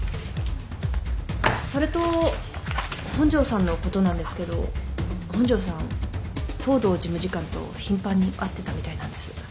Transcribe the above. それと本庄さんのことなんですけど本庄さん藤堂事務次官と頻繁に会ってたみたいなんです。